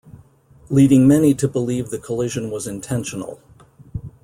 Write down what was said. Leading many to believe the collision was intentional.